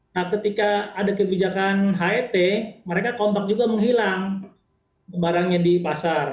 nah ketika ada kebijakan het mereka kompak juga menghilang barangnya di pasar